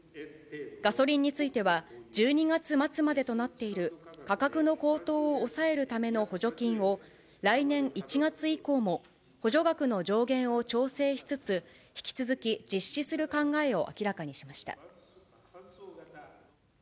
ガソリンについては、１２月末までとなっている、価格の高騰を抑えるための補助金を来年１月以降も補助額の上限を調整しつつ、引き続き実施する考えを明らかにしました。